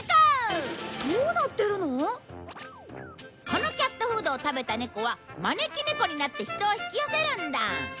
このキャットフードを食べた猫は招き猫になって人を引き寄せるんだ。